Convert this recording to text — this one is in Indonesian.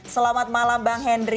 selamat malam bang henry